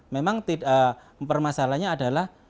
memang permasalahannya adalah